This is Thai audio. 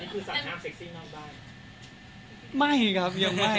คือตอนนี้คือสั่งงามเซ็กซี่นอกได้